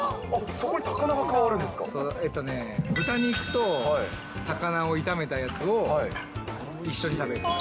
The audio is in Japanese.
そこに高菜が加わるんえっとね、豚肉と高菜を炒めたやつを一緒に食べる。